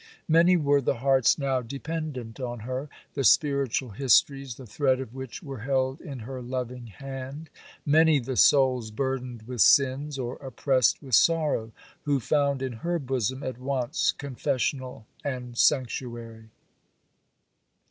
Many were the hearts now dependent on her, the spiritual histories, the thread of which were held in her loving hand,—many the souls burdened with sins, or oppressed with sorrow, who found in her bosom at once confessional and sanctuary.